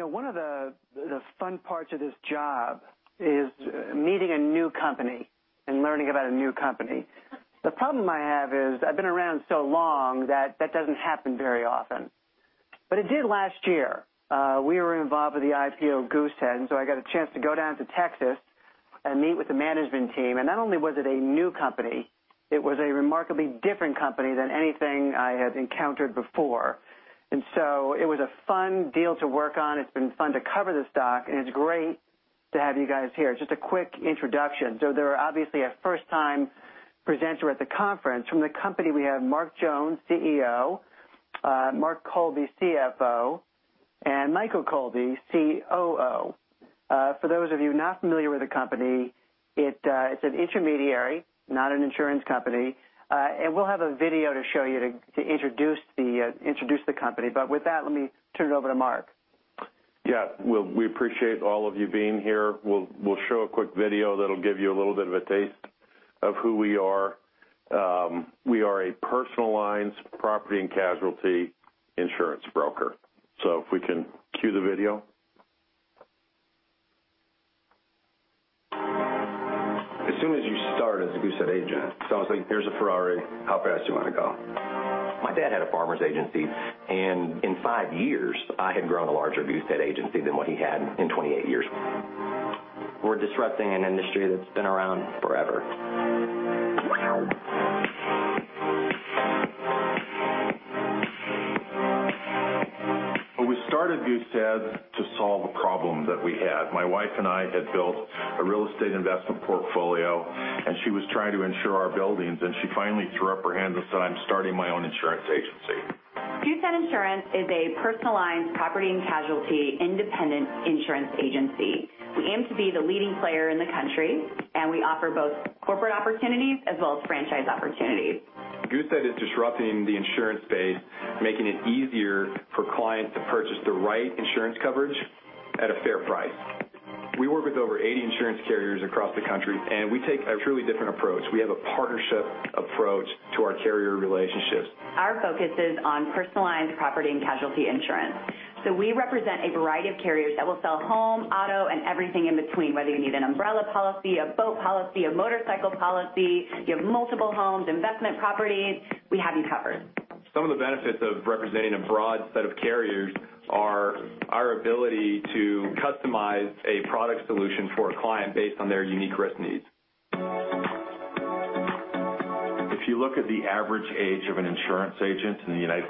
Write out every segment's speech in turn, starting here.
One of the fun parts of this job is meeting a new company and learning about a new company. The problem I have is I've been around so long that that doesn't happen very often. It did last year. We were involved with the IPO of Goosehead, so I got a chance to go down to Texas and meet with the management team. Not only was it a new company, it was a remarkably different company than anything I had encountered before. It was a fun deal to work on. It's been fun to cover the stock, and it's great to have you guys here. Just a quick introduction. They're obviously a first-time presenter at the conference. From the company, we have Mark Jones, CEO, Mark Colby, CFO, and Michael Colby, COO. For those of you not familiar with the company, it's an intermediary, not an insurance company. We'll have a video to show you to introduce the company. With that, let me turn it over to Mark. Yeah. Well, we appreciate all of you being here. We'll show a quick video that'll give you a little bit of a taste of who we are. We are a personal lines property and casualty insurance broker. If we can cue the video. As soon as you start as a Goosehead agent, it's almost like here's a Ferrari, how fast do you want to go? My dad had a Farmers agency, and in five years, I had grown a larger Goosehead agency than what he had in 28 years. We're disrupting an industry that's been around forever. Well, we started Goosehead to solve a problem that we had. My wife and I had built a real estate investment portfolio, and she was trying to insure our buildings, and she finally threw up her hands and said, "I'm starting my own insurance agency. Goosehead Insurance is a personal lines property and casualty independent insurance agency. We aim to be the leading player in the country, and we offer both corporate opportunities as well as franchise opportunities. Goosehead is disrupting the insurance space, making it easier for clients to purchase the right insurance coverage at a fair price. We work with over 80 insurance carriers across the country. We take a truly different approach. We have a partnership approach to our carrier relationships. Our focus is on personal lines property and casualty insurance. We represent a variety of carriers that will sell home, auto, and everything in between, whether you need an umbrella policy, a boat policy, a motorcycle policy, you have multiple homes, investment properties, we have you covered. Some of the benefits of representing a broad set of carriers are our ability to customize a product solution for a client based on their unique risk needs. If you look at the average age of an insurance agent in the U.S.,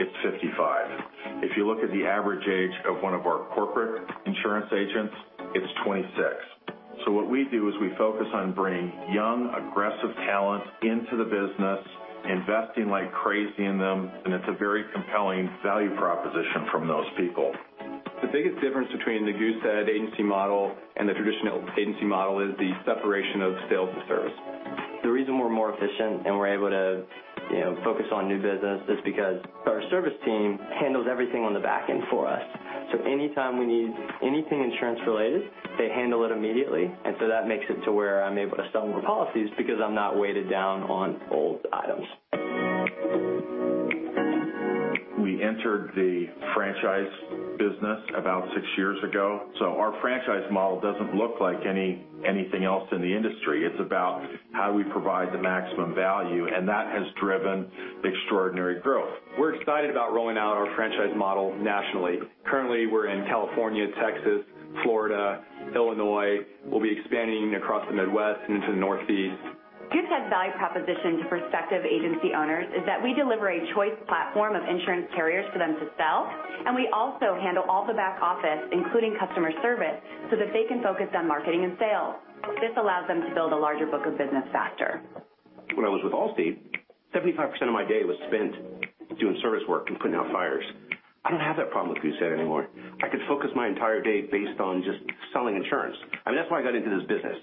it's 55. If you look at the average age of one of our corporate insurance agents, it's 26. What we do is we focus on bringing young, aggressive talent into the business, investing like crazy in them. It's a very compelling value proposition from those people. The biggest difference between the Goosehead agency model and the traditional agency model is the separation of sales and service. The reason we're more efficient and we're able to focus on new business is because our service team handles everything on the back end for us. Anytime we need anything insurance related, they handle it immediately. That makes it to where I'm able to sell more policies because I'm not weighted down on old items. We entered the franchise business about six years ago, our franchise model doesn't look like anything else in the industry. It's about how we provide the maximum value, and that has driven extraordinary growth. We're excited about rolling out our franchise model nationally. Currently, we're in California, Texas, Florida, Illinois. We'll be expanding across the Midwest and into the Northeast. Goosehead's value proposition to prospective agency owners is that we deliver a choice platform of insurance carriers for them to sell, and we also handle all the back office, including customer service, so that they can focus on marketing and sales. This allows them to build a larger book of business faster. When I was with Allstate, 75% of my day was spent doing service work and putting out fires. I don't have that problem with Goosehead anymore. I could focus my entire day based on just selling insurance. I mean, that's why I got into this business,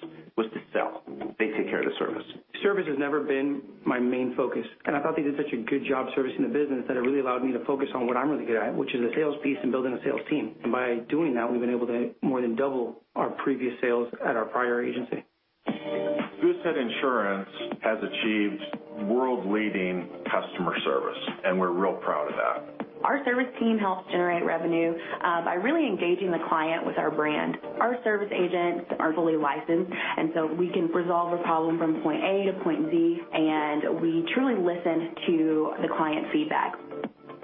was to sell. They take care of the service. Service has never been my main focus, and I thought they did such a good job servicing the business that it really allowed me to focus on what I'm really good at, which is the sales piece and building a sales team. By doing that, we've been able to more than double our previous sales at our prior agency. Goosehead Insurance has achieved world-leading customer service, and we're real proud of that. Our service team helps generate revenue by really engaging the client with our brand. Our service agents are fully licensed, and so we can resolve a problem from point A to point Z, and we truly listen to the client feedback.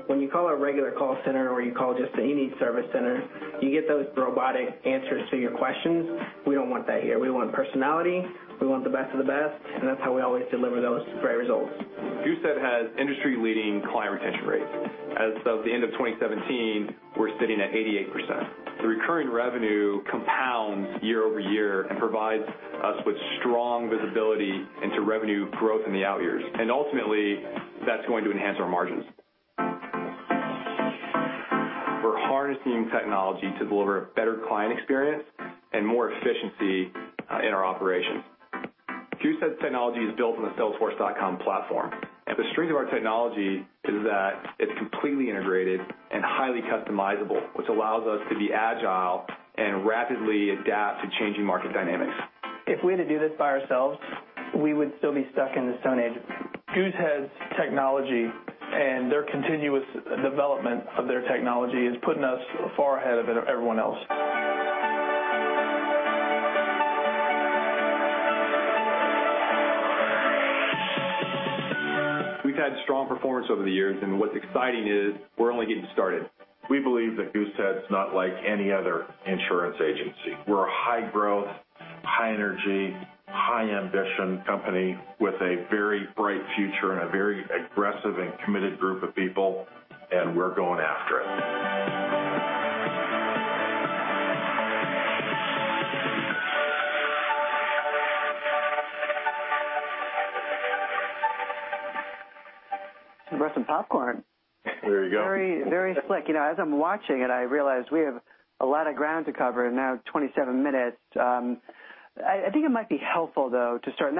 When you call a regular call center or you call just any service center, you get those robotic answers to your questions. We don't want that here. We want personality. We want the best of the best, and that's how we always deliver those great results. Goosehead has industry-leading client retention rates. As of the end of 2017, we're sitting at 88%. The recurring revenue compounds year-over-year and provides us with strong visibility into revenue growth in the out years. Ultimately, that's going to enhance our margins. We're harnessing technology to deliver a better client experience and more efficiency in our operations. Goosehead's technology is built on the salesforce.com platform. The strength of our technology is that it's completely integrated and highly customizable, which allows us to be agile and rapidly adapt to changing market dynamics. If we had to do this by ourselves, we would still be stuck in the Stone Age. Goosehead's technology and their continuous development of their technology is putting us far ahead of everyone else. We've had strong performance over the years, and what's exciting is we're only getting started. We believe that Goosehead's not like any other insurance agency. We're a high-growth, high-energy, high-ambition company with a very bright future and a very aggressive and committed group of people, and we're going after it. Should've brought some popcorn. There you go. Very slick. As I'm watching it, I realize we have a lot of ground to cover in that 27 minutes. I think it might be helpful, though, to start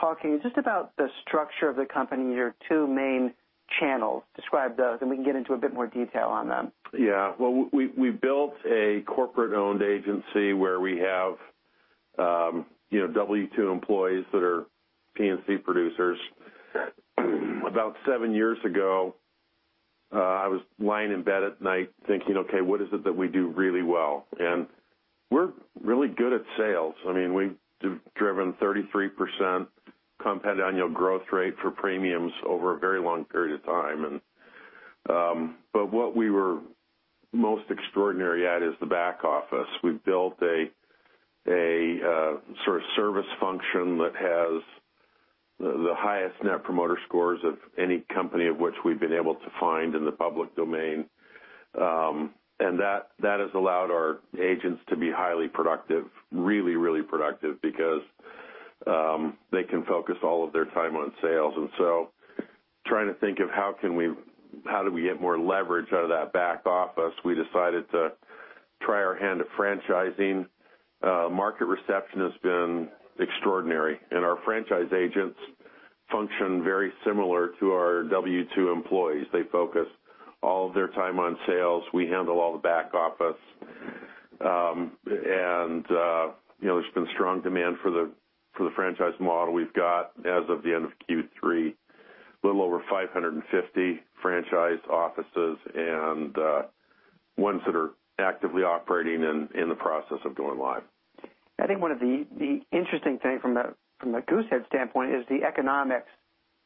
talking just about the structure of the company, your two main channels. Describe those, we can get into a bit more detail on them. Yeah. Well, we built a corporate-owned agency where we have W2 employees that are P&C producers. About seven years ago, I was lying in bed at night thinking, "Okay, what is it that we do really well?" We're really good at sales. We've driven 33% compound annual growth rate for premiums over a very long period of time. What we were most extraordinary at is the back office. We've built a sort of service function that has the highest Net Promoter Score of any company of which we've been able to find in the public domain. That has allowed our agents to be highly productive, really productive because they can focus all of their time on sales. Trying to think of how do we get more leverage out of that back office, we decided to try our hand at franchising. Market reception has been extraordinary, our franchise agents function very similar to our W2 employees. They focus all of their time on sales. We handle all the back office. There's been strong demand for the franchise model. We've got, as of the end of Q3, a little over 550 franchise offices and ones that are actively operating and in the process of going live. I think one of the interesting thing from the Goosehead standpoint is the economics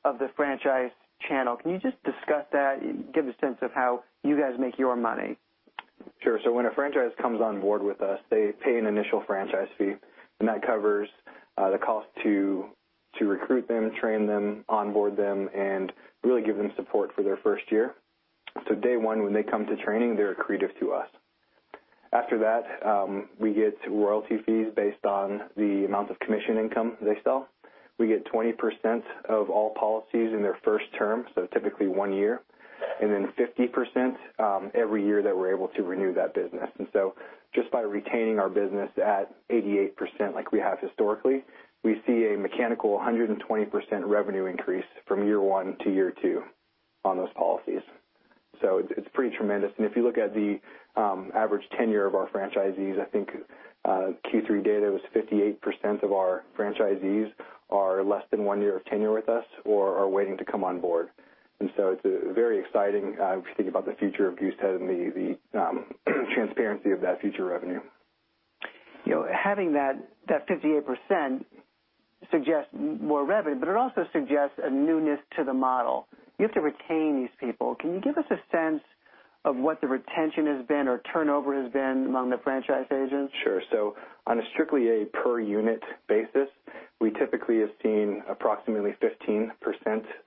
of the franchise channel. Can you just discuss that? Give a sense of how you guys make your money. Sure. When a franchise comes on board with us, they pay an initial franchise fee, that covers the cost to recruit them, train them, onboard them, and really give them support for their first year. Day one, when they come to training, they're accretive to us. After that, we get royalty fees based on the amount of commission income they sell. We get 20% of all policies in their first term, so typically one year, then 50% every year that we're able to renew that business. Just by retaining our business at 88%, like we have historically, we see a mechanical 120% revenue increase from year one to year two on those policies. It's pretty tremendous. If you look at the average tenure of our franchisees, I think Q3 data was 58% of our franchisees are less than one year of tenure with us or are waiting to come on board. It's very exciting if you think about the future of Goosehead and the transparency of that future revenue. Having that 58% suggests more revenue, it also suggests a newness to the model. You have to retain these people. Can you give us a sense of what the retention has been or turnover has been among the franchise agents? On a strictly a per-unit basis, we typically have seen approximately 15%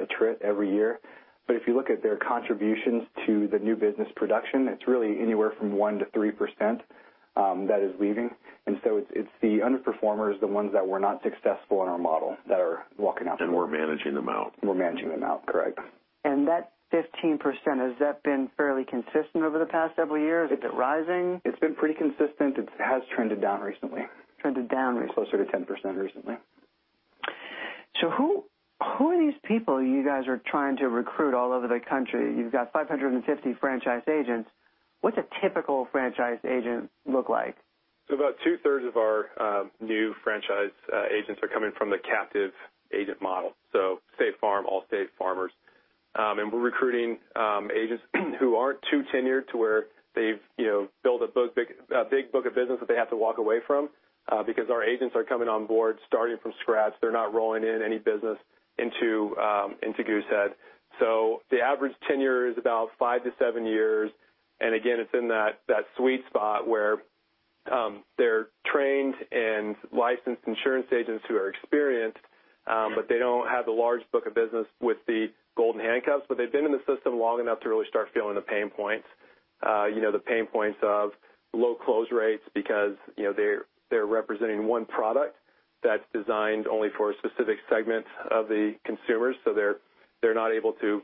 attrit every year. If you look at their contributions to the new business production, it's really anywhere from 1%-3% that is leaving. It's the underperformers, the ones that were not successful in our model that are walking out the door. We're managing them out. We're managing them out, correct. That 15%, has that been fairly consistent over the past several years? Is it rising? It's been pretty consistent. It has trended down recently. Trended down recently. Closer to 10% recently. Who are these people you guys are trying to recruit all over the country? You've got 550 franchise agents. What's a typical franchise agent look like? About two-thirds of our new franchise agents are coming from the captive agent model. State Farm, Allstate, Farmers. We're recruiting agents who aren't too tenured to where they've built a big book of business that they have to walk away from because our agents are coming on board starting from scratch. They're not rolling in any business into Goosehead. The average tenure is about five to seven years, and again, it's in that sweet spot where they're trained and licensed insurance agents who are experienced, but they don't have the large book of business with the golden handcuffs, but they've been in the system long enough to really start feeling the pain points. The pain points of low close rates because they're representing one product that's designed only for a specific segment of the consumers. They're not able to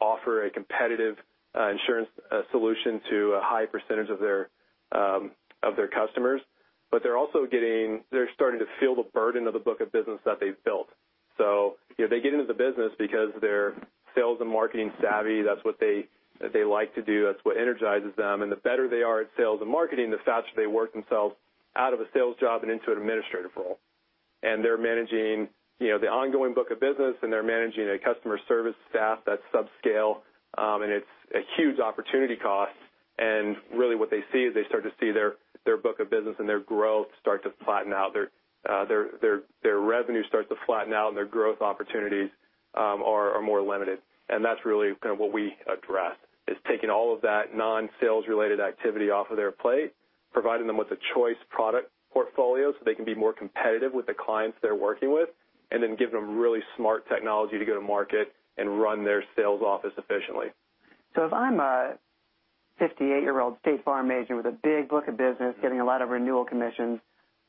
offer a competitive insurance solution to a high percentage of their customers. They're also starting to feel the burden of the book of business that they've built. They get into the business because they're sales and marketing savvy. That's what they like to do. That's what energizes them. The better they are at sales and marketing, the faster they work themselves out of a sales job and into an administrative role. They're managing the ongoing book of business, and they're managing a customer service staff that's sub-scale, and it's a huge opportunity cost. Really what they see is they start to see their book of business and their growth start to flatten out. Their revenue starts to flatten out, and their growth opportunities are more limited. That's really kind of what we address, is taking all of that non-sales related activity off of their plate, providing them with a choice product portfolio so they can be more competitive with the clients they're working with, and then giving them really smart technology to go to market and run their sales office efficiently. If I'm a 58-year-old State Farm agent with a big book of business, getting a lot of renewal commissions,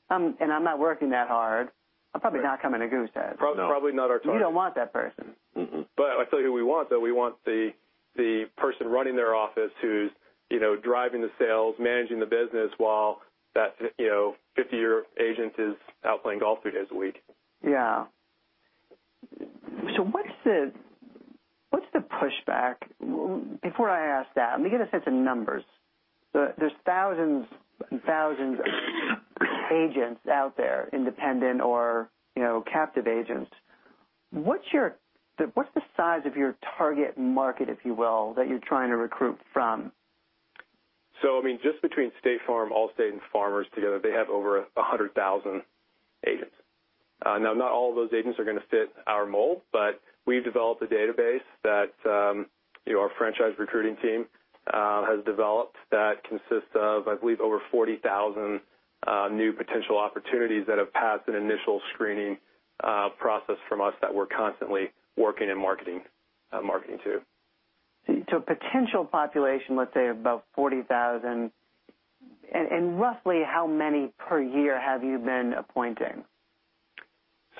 and I'm not working that hard, I'm probably not coming to Goosehead. Probably not our target. You don't want that person. I'll tell you who we want, though. We want the person running their office who's driving the sales, managing the business while that 50-year agent is out playing golf three days a week. Yeah. What's the pushback? Before I ask that, let me get a sense of numbers. There's thousands and thousands of agents out there, independent or captive agents. What's the size of your target market, if you will, that you're trying to recruit from? Just between State Farm, Allstate, and Farmers together, they have over 100,000 agents. Now, not all of those agents are going to fit our mold, but we've developed a database that our franchise recruiting team has developed that consists of, I believe, over 40,000 new potential opportunities that have passed an initial screening process from us that we're constantly working and marketing to. Potential population, let's say, about 40,000. Roughly how many per year have you been appointing?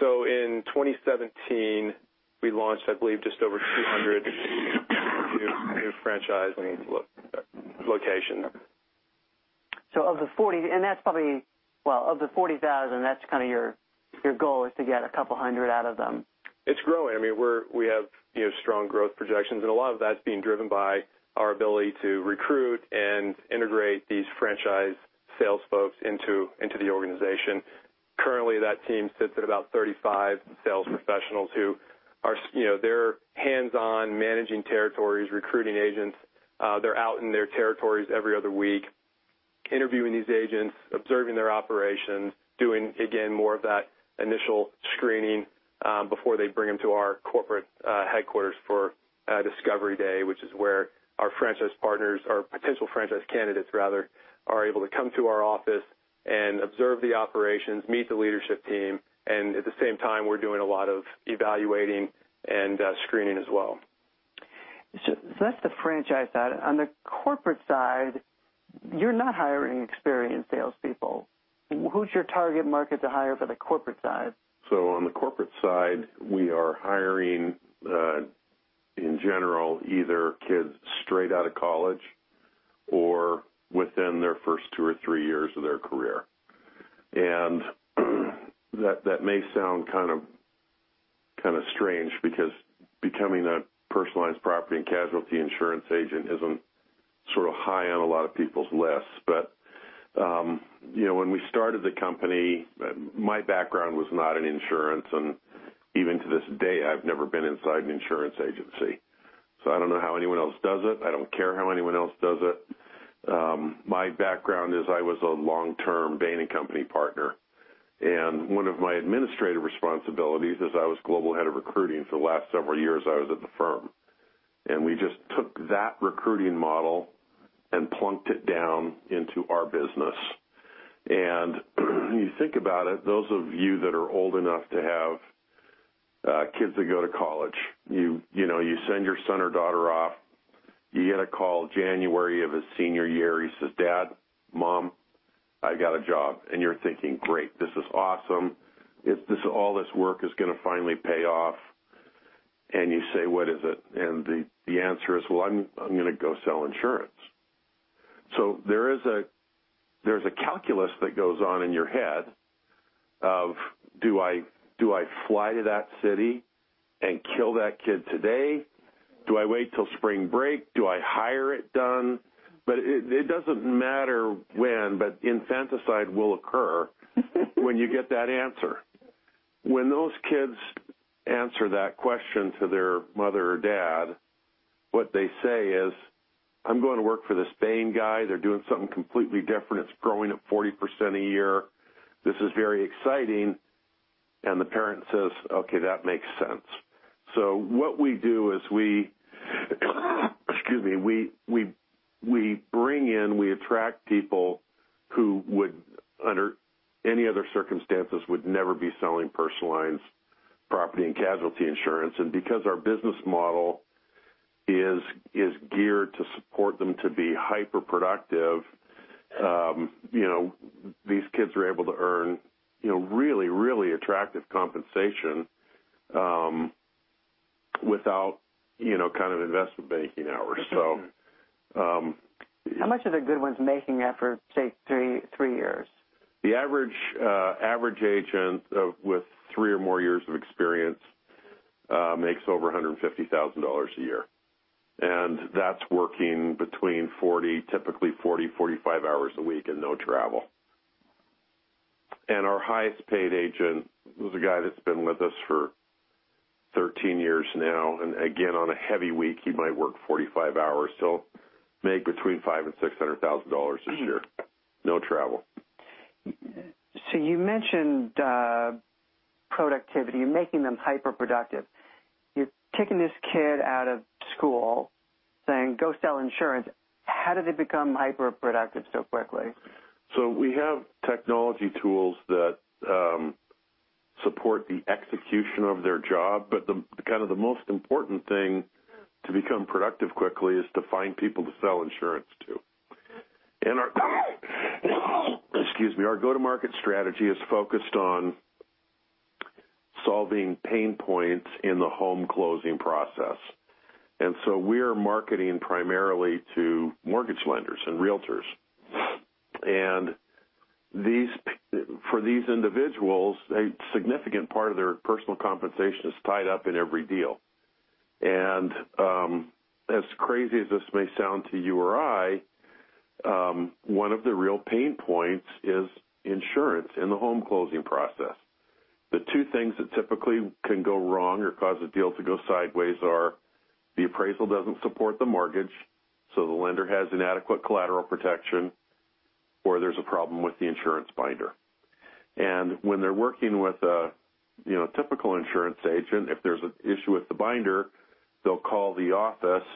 In 2017, we launched, I believe, just over 200 new franchise locations. Well, of the 40,000, that's kind of your goal is to get a couple of hundred out of them. It's growing. We have strong growth projections, a lot of that's being driven by our ability to recruit and integrate these franchise sales folks into the organization. Currently, that team sits at about 35 sales professionals who they're hands-on managing territories, recruiting agents. They're out in their territories every other week, interviewing these agents, observing their operations, doing, again, more of that initial screening before they bring them to our corporate headquarters for Discovery Day, which is where our franchise partners, or potential franchise candidates rather, are able to come to our office and observe the operations, meet the leadership team, and at the same time, we're doing a lot of evaluating and screening as well. That's the franchise side. On the corporate side, you're not hiring experienced salespeople. Who's your target market to hire for the corporate side? On the corporate side, we are hiring, in general, either kids straight out of college or within their first two or three years of their career. That may sound kind of strange, because becoming a personalized property and casualty insurance agent isn't sort of high on a lot of people's lists. When we started the company, my background was not in insurance, and even to this day, I've never been inside an insurance agency. I don't know how anyone else does it. I don't care how anyone else does it. My background is I was a long-term Bain & Company partner, and one of my administrative responsibilities is I was global head of recruiting for the last several years I was at the firm. We just took that recruiting model and plunked it down into our business. When you think about it, those of you that are old enough to have kids that go to college, you send your son or daughter off. You get a call January of his senior year. He says, "Dad, Mom, I got a job." You're thinking, "Great. This is awesome. All this work is going to finally pay off." You say, "What is it?" The answer is, "Well, I'm going to go sell insurance." There's a calculus that goes on in your head of, do I fly to that city and kill that kid today? Do I wait till spring break? Do I hire it done? It doesn't matter when, but infanticide will occur when you get that answer. When those kids answer that question to their mother or dad, what they say is, "I'm going to work for this Bain guy. They're doing something completely different. It's growing at 40% a year. This is very exciting." The parent says, "Okay, that makes sense." What we do is we bring in, we attract people who would, under any other circumstances, would never be selling personal lines property and casualty insurance. Because our business model is geared to support them to be hyper-productive, these kids are able to earn really, really attractive compensation. Without kind of investment banking hours. How much are the good ones making after, say, three years? The average agent with three or more years of experience makes over $150,000 a year, and that's working between 40, typically 40, 45 hours a week and no travel. Our highest-paid agent is a guy that's been with us for 13 years now, and again, on a heavy week, he might work 45 hours. He'll make between $500,000 and $600,000 this year. No travel. You mentioned productivity and making them hyper-productive. You're taking this kid out of school saying, "Go sell insurance." How do they become hyper-productive so quickly? We have technology tools that support the execution of their job. The most important thing to become productive quickly is to find people to sell insurance to. Our, excuse me, our go-to-market strategy is focused on solving pain points in the home closing process. We are marketing primarily to mortgage lenders and realtors. For these individuals, a significant part of their personal compensation is tied up in every deal. As crazy as this may sound to you or I, one of the real pain points is insurance in the home closing process. The two things that typically can go wrong or cause a deal to go sideways are the appraisal doesn't support the mortgage, so the lender has inadequate collateral protection, or there's a problem with the insurance binder. When they're working with a typical insurance agent, if there's an issue with the binder, they'll call the office.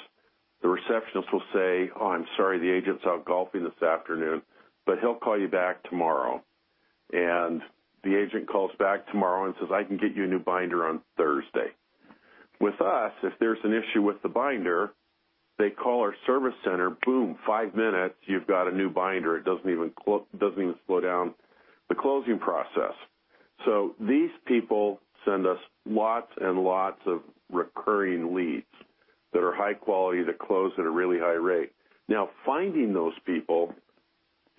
The receptionist will say, "Oh, I'm sorry, the agent's out golfing this afternoon, but he'll call you back tomorrow." The agent calls back tomorrow and says, "I can get you a new binder on Thursday." With us, if there's an issue with the binder, they call our service center, boom, five minutes, you've got a new binder. It doesn't even slow down the closing process. These people send us lots and lots of recurring leads that are high quality, that close at a really high rate. Now, finding those people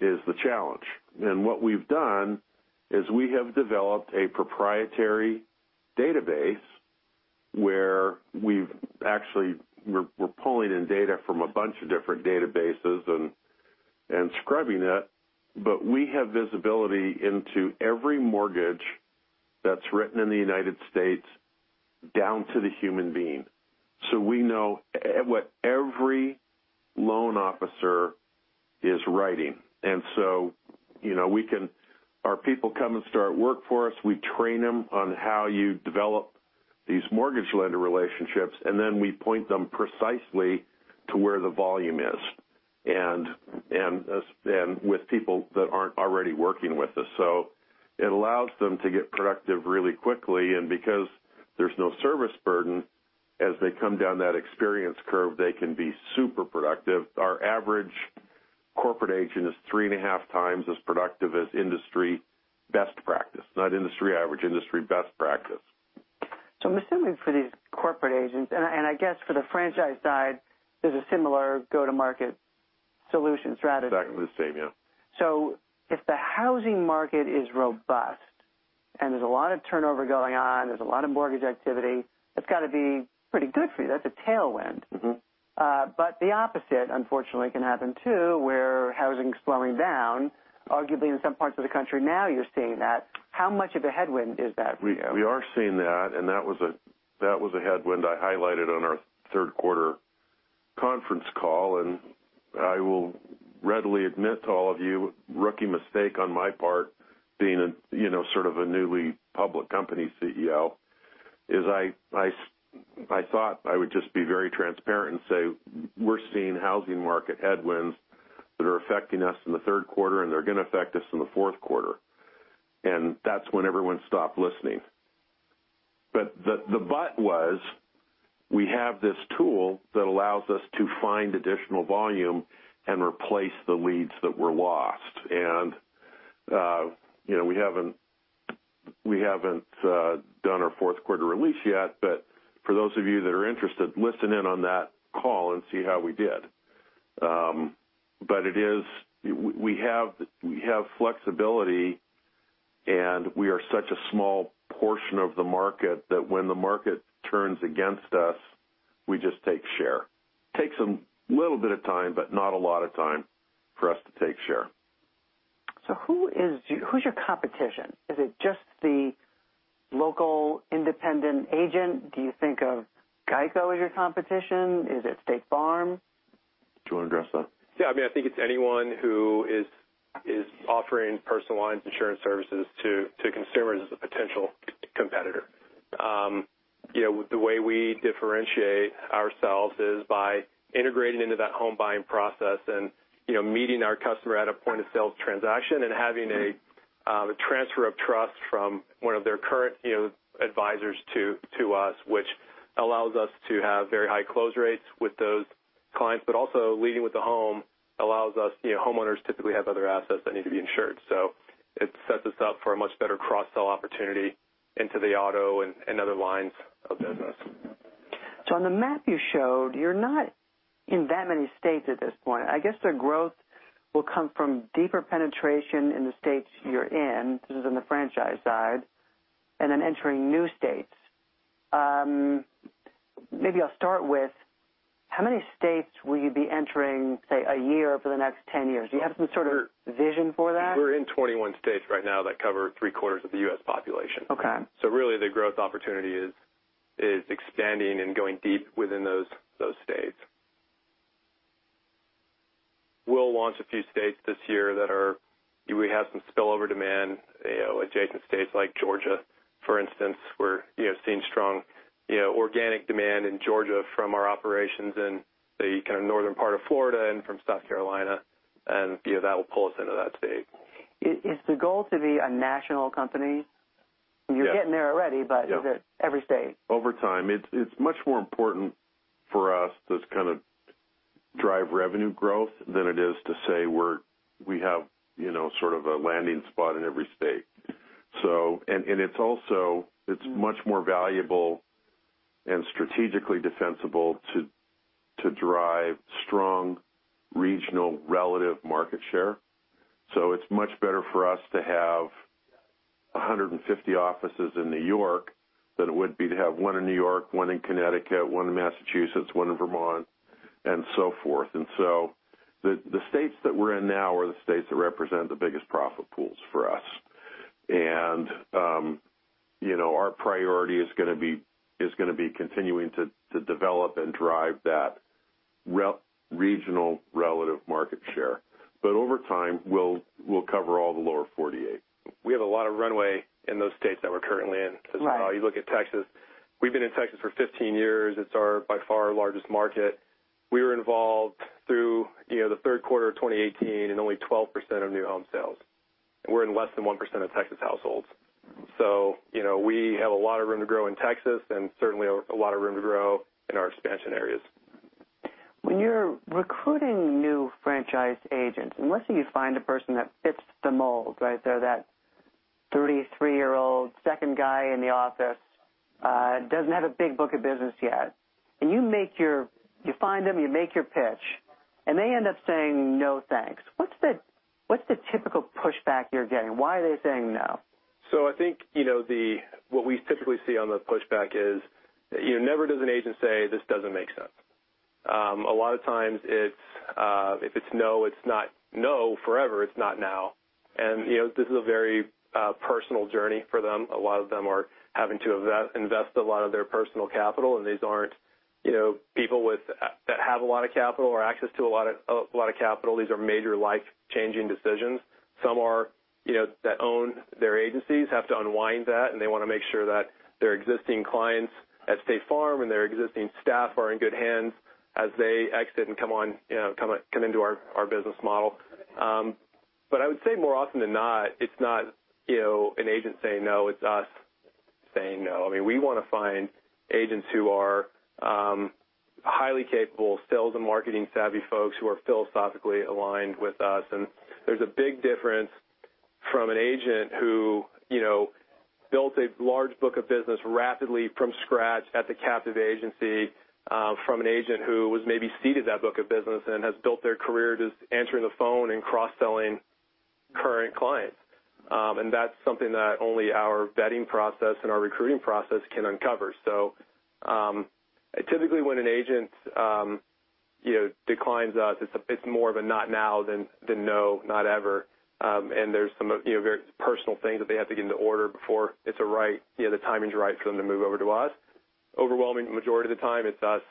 is the challenge. What we've done is we have developed a proprietary database where we've actually, we're pulling in data from a bunch of different databases and scrubbing it. We have visibility into every mortgage that's written in the U.S. down to the human being. We know what every loan officer is writing. Our people come and start work for us. We train them on how you develop these mortgage lender relationships, and then we point them precisely to where the volume is, and with people that aren't already working with us. It allows them to get productive really quickly. Because there's no service burden, as they come down that experience curve, they can be super productive. Our average corporate agent is three and a half times as productive as industry best practice, not industry average, industry best practice. I'm assuming for these corporate agents, and I guess for the franchise side, there's a similar go-to-market solution strategy. Exactly the same, yeah. If the housing market is robust and there's a lot of turnover going on, there's a lot of mortgage activity, that's got to be pretty good for you. That's a tailwind. The opposite, unfortunately, can happen, too, where housing is slowing down. Arguably, in some parts of the country now you're seeing that. How much of a headwind is that for you? We are seeing that was a headwind I highlighted on our third quarter conference call. I will readily admit to all of you, rookie mistake on my part, being sort of a newly public company CEO, is I thought I would just be very transparent and say, "We're seeing housing market headwinds that are affecting us in the third quarter, and they're going to affect us in the fourth quarter." That's when everyone stopped listening. The but was, we have this tool that allows us to find additional volume and replace the leads that were lost. We haven't done our fourth quarter release yet, but for those of you that are interested, listen in on that call and see how we did. We have flexibility, we are such a small portion of the market that when the market turns against us, we just take share. Takes a little bit of time, but not a lot of time for us to take share. Who's your competition? Is it just the local independent agent? Do you think of GEICO as your competition? Is it State Farm? Do you want to address that? Yeah. I think it's anyone who is offering personal lines insurance services to consumers is a potential competitor. The way we differentiate ourselves is by integrating into that home buying process and meeting our customer at a point-of-sale transaction and having a transfer of trust from one of their current advisors to us, which allows us to have very high close rates with those clients, but also leading with the home allows us, homeowners typically have other assets that need to be insured, so it sets us up for a much better cross-sell opportunity into the auto and other lines of business. On the map you showed, you're not in that many states at this point. I guess the growth will come from deeper penetration in the states you're in. This is on the franchise side, and then entering new states. Maybe I'll start with, how many states will you be entering, say, a year for the next 10 years? Do you have some sort of vision for that? We're in 21 states right now that cover three-quarters of the U.S. population. Okay. Really the growth opportunity is expanding and going deep within those states. We'll launch a few states this year. We have some spillover demand, adjacent states like Georgia, for instance, where you have seen strong organic demand in Georgia from our operations in the kind of northern part of Florida and from South Carolina, and that will pull us into that state. Is the goal to be a national company? Yes. You're getting there already. Yep Is it every state? Over time. It's much more important for us to kind of drive revenue growth than it is to say we have sort of a landing spot in every state. It's also, it's much more valuable and strategically defensible to drive strong regional relative market share. It's much better for us to have 150 offices in New York than it would be to have one in New York, one in Connecticut, one in Massachusetts, one in Vermont, and so forth. The states that we're in now are the states that represent the biggest profit pools for us. Our priority is going to be continuing to develop and drive that regional relative market share. Over time, we'll cover all the lower 48. We have a lot of runway in those states that we're currently in. Right. You look at Texas, we've been in Texas for 15 years. It's by far our largest market. We were involved through the third quarter of 2018 in only 12% of new home sales. We're in less than 1% of Texas households. We have a lot of room to grow in Texas, and certainly a lot of room to grow in our expansion areas. When you're recruiting new franchise agents, unless you find a person that fits the mold, right? They're that 33-year-old second guy in the office, doesn't have a big book of business yet. You find them, you make your pitch, and they end up saying, "No, thanks." What's the typical pushback you're getting? Why are they saying no? I think what we typically see on the pushback is, never does an agent say, "This doesn't make sense." A lot of times if it's no, it's not no forever, it's not now. This is a very personal journey for them. A lot of them are having to invest a lot of their personal capital, and these aren't people that have a lot of capital or access to a lot of capital. These are major life-changing decisions. Some that own their agencies have to unwind that, and they want to make sure that their existing clients at State Farm and their existing staff are in good hands as they exit and come into our business model. I would say more often than not, it's not an agent saying no, it's us saying no. I mean, we want to find agents who are highly capable sales and marketing savvy folks who are philosophically aligned with us. There's a big difference from an agent who built a large book of business rapidly from scratch at the captive agency from an agent who was maybe seeded that book of business and has built their career just answering the phone and cross-selling current clients. That's something that only our vetting process and our recruiting process can uncover. Typically when an agent declines us, it's more of a not now than no, not ever. There's some very personal things that they have to get into order before the timing's right for them to move over to us. Overwhelming majority of the time, it's us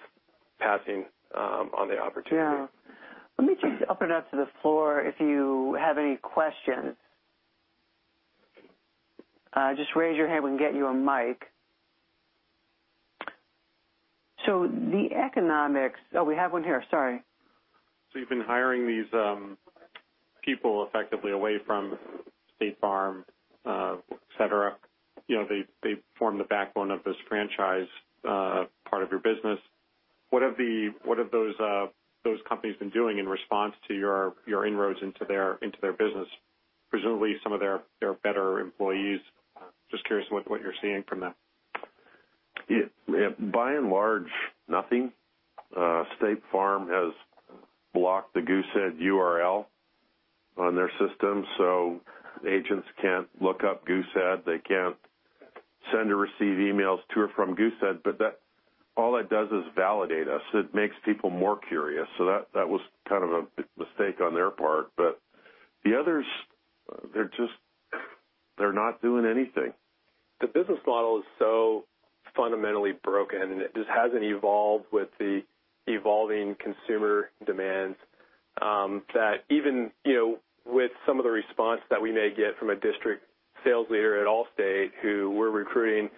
passing on the opportunity. Yeah. Let me open up to the floor if you have any questions. Just raise your hand, we can get you a mic. Oh, we have one here. Sorry. You've been hiring these people effectively away from State Farm, et cetera. They form the backbone of this franchise part of your business. What have those companies been doing in response to your inroads into their business? Presumably, some of their better employees. Just curious what you're seeing from them. By and large, nothing. State Farm has blocked the Goosehead URL on their system, so agents can't look up Goosehead. They can't send or receive emails to or from Goosehead. All that does is validate us. It makes people more curious. That was kind of a mistake on their part. The others, they're not doing anything. The business model is so fundamentally broken, and it just hasn't evolved with the evolving consumer demands, that even with some of the response that we may get from a district sales leader at Allstate who we're recruiting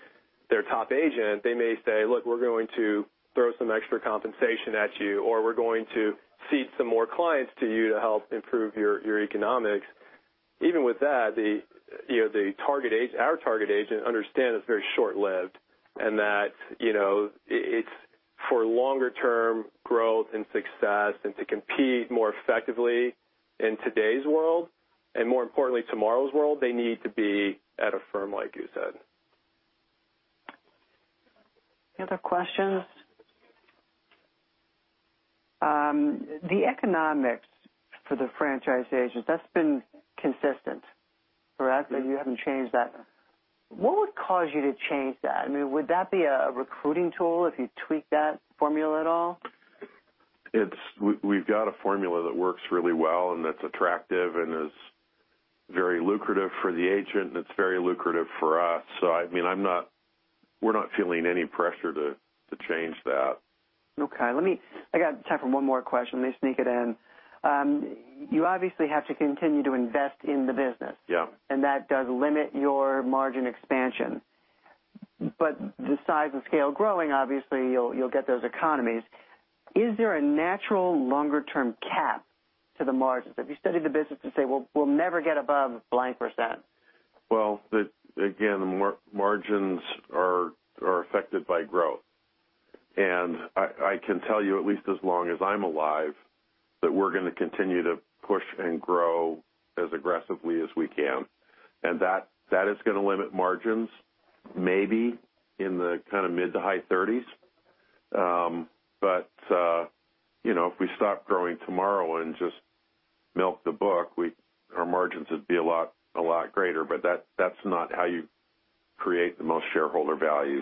their top agent, they may say, "Look, we're going to throw some extra compensation at you, or we're going to seed some more clients to you to help improve your economics." Even with that, our target agent understands it's very short-lived, and that it's for longer-term growth and success, and to compete more effectively in today's world, and more importantly, tomorrow's world, they need to be at a firm like Goosehead. Any other questions? The economics for the franchise agents, that's been consistent, correct? Yes. That you haven't changed that. What would cause you to change that? Would that be a recruiting tool if you tweaked that formula at all? We've got a formula that works really well and that's attractive, and is very lucrative for the agent, and it's very lucrative for us. We're not feeling any pressure to change that. Okay. I got time for one more question. Let me sneak it in. You obviously have to continue to invest in the business. Yeah. That does limit your margin expansion. The size and scale growing, obviously, you'll get those economies. Is there a natural longer-term cap to the margins? Have you studied the business to say, "Well, we'll never get above blank percent"? Well, again, margins are affected by growth. I can tell you, at least as long as I'm alive, that we're going to continue to push and grow as aggressively as we can. That is going to limit margins, maybe in the mid to high 30s. If we stop growing tomorrow and just milk the book, our margins would be a lot greater. That's not how you create the most shareholder value.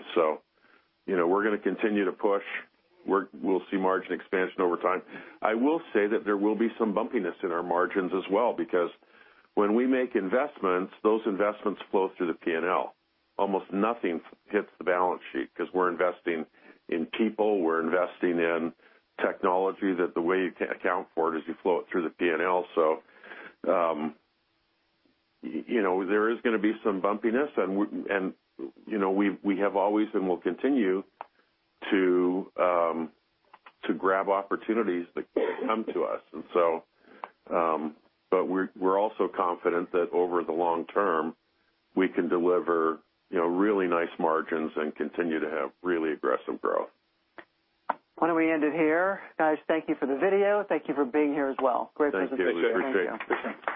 We're going to continue to push. We'll see margin expansion over time. I will say that there will be some bumpiness in our margins as well, because when we make investments, those investments flow through the P&L. Almost nothing hits the balance sheet because we're investing in people, we're investing in technology, that the way you account for it is you flow it through the P&L. There is going to be some bumpiness, and we have always and will continue to grab opportunities that come to us. We're also confident that over the long term, we can deliver really nice margins and continue to have really aggressive growth. Why don't we end it here? Guys, thank you for the video. Thank you for being here as well. Great presentation. Thank you. Appreciate it.